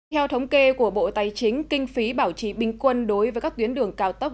theo thống kê của bộ tài chính kinh phí bảo trì bình quân đối với các tuyến đường cao tốc